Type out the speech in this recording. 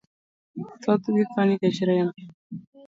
Thothgi tho nikech rem.